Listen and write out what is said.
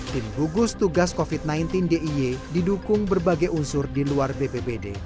tim gugus tugas covid sembilan belas diy didukung berbagai unsur di luar bpbd